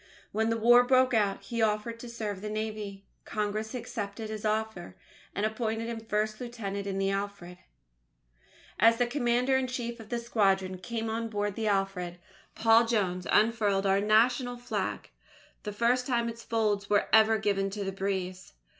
When the War broke out, he offered to serve in the Navy. Congress accepted his offer, and appointed him first lieutenant in the Alfred. As the commander in chief of the squadron came on board the Alfred, Paul Jones unfurled our National Flag the first time its folds were ever given to the breeze.